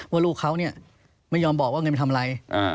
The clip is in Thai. ว่าลูกเขาเนี่ยไม่ยอมบอกว่าเงินไปทำอะไร